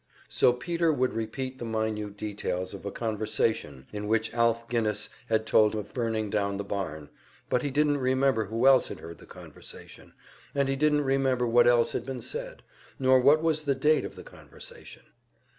So Peter would repeat the minute details of a conversation in which Alf Guinness had told of burning down the barn, but he didn't remember who else had heard the conversation, and he didn't remember what else had been said, nor what was the date of the conversation.